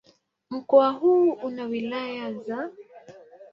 Mkoa huu una wilaya za